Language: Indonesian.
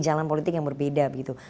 jalan politik yang berbeda